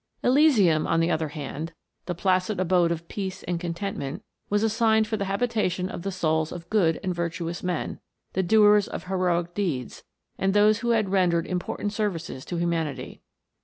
Elysium, on the other hand, the placid abode of peace and contentment, was assigned for the habi tation of the souls of good and virtuous men, the doers of heroic deeds, and those who had rendered important services to humanity.